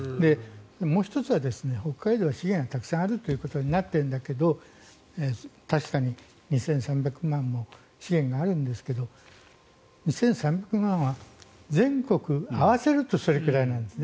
もう１つは、北海道は資源がたくさんあるということになってるんだけど２３００万の資源があるんですが２３００万は全国合わせるとそれくらいなんです。